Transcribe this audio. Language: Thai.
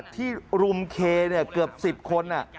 ที่รุมเคเนี่ยเกือบ๑๐คนอ่ะ